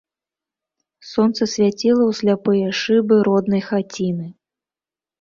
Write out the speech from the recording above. Сонца свяціла ў сляпыя шыбы роднай хаціны.